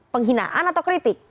penghinaan atau kritik